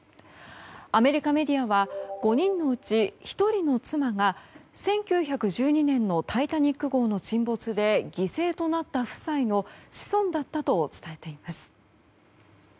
アメリカメディアは５人のうち１人の妻が１９１２年の「タイタニック号」の沈没で犠牲となった夫妻の子孫だったと伝えています。